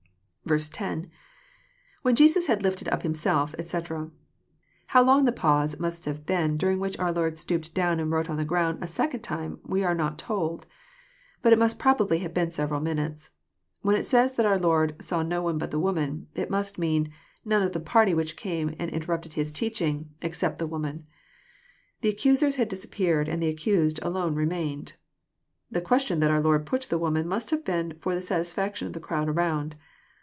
10. —[ When Jesus had lifted up himself, etc."] How long the pause must have been during which our Lord stooped down and wrote on the ground a second time, we are not told. But it must probably have been several minutes. When it says that our XiOrd " saw none but the woman," it must mean '* none of the paxty which came and interrupted His teaching, except the "woman." The accusers had disappeared> and the accused alone remained. The question that our Lord put to the woman must have been for the satisfaction of the crowd around.